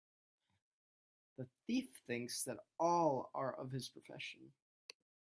The thief thinks that all are of his profession.